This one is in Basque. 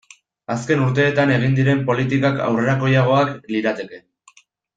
Azken urteetan egin diren politikak aurrerakoiagoak lirateke.